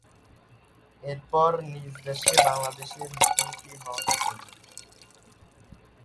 এরপর নিজ দেশে বাংলাদেশের মুখোমুখি হন তিনি।